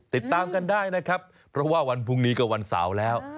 ติดตามกันได้นะครับเพราะว่าวันพรุ่งนี้ก็วันเสาร์แล้ว